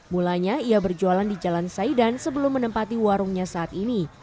mulanya ia berjualan di jalan saidan sebelum menempati warungnya saat ini